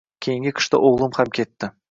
Keyingi qishda o`g`li ham ketdi